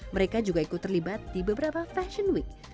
mereka juga ikut terlibat di beberapa fashion week